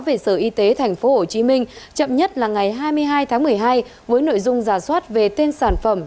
về sở y tế tp hcm chậm nhất là ngày hai mươi hai tháng một mươi hai với nội dung giả soát về tên sản phẩm